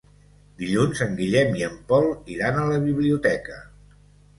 Dilluns en Guillem i en Pol iran a la biblioteca.